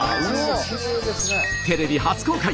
テレビ初公開